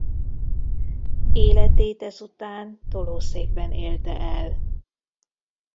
Életét ezután tolószékben élte el.